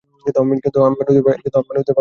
কিন্তু আমি মানুষদের ভালোবাসি।